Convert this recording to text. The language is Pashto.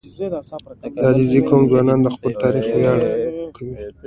• د علیزي قوم ځوانان د خپل تاریخ ویاړ کوي.